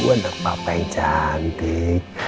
anak papa yang cantik